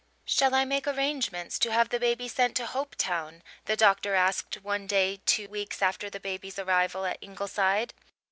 "Shall I make arrangements to have the baby sent to Hopetown?" the doctor asked one day two weeks after the baby's arrival at Ingleside.